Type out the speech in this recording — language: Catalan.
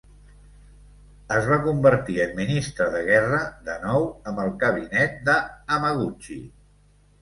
Es va convertir en Ministre de Guerra de nou amb el cabinet de Hamaguchi.